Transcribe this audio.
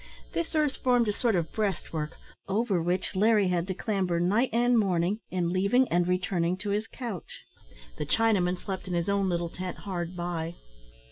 This earth formed a sort of breast work, over which Larry had to clamber night and morning in leaving and returning to his couch. The Chinaman slept in his own little tent hard by.